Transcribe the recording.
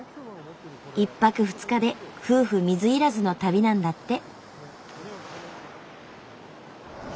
１泊２日で夫婦水入らずの旅なんだって。